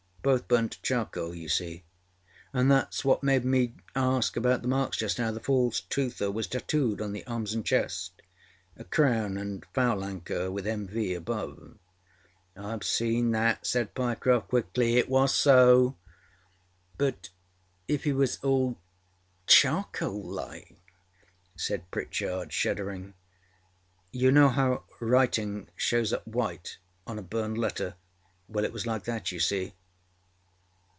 Both burned to charcoal, you see. Andâthatâs what made me ask about marks just nowâthe false toother was tattooed on the arms and chestâa crown and foul anchor with M.V. above.â âIâve seen that,â said Pyecroft quickly. âIt was so.â âBut if he was all charcoal like?â said Pritchard, shuddering. âYou know how writing shows up white on a burned letter? Well, it was like that, you see.